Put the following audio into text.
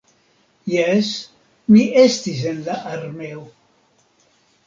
Jes, mi estis en la armeo.